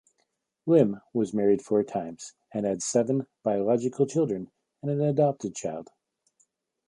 Lim was married four times, and had seven biological children and an adopted child.